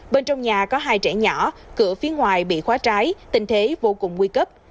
bên trong nhà có hai trẻ nhỏ cửa phía ngoài bị khóa trái tình thế vô cùng nguy cấp